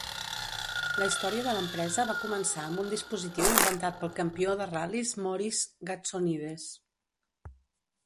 La història de l'empresa va començar amb un dispositiu inventat pel campió de ral·lis Maurice Gatsonides.